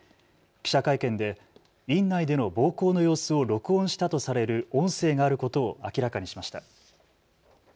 記者会見で院内での暴行の様子を録音したとされる音声があることを明らかにしました。